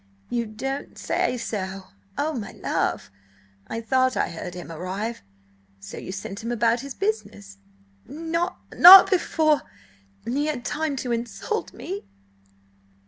"You don't say so, my love! I thought I heard him arrive. So you sent him about his business?" "N not before he had time to insult m me!"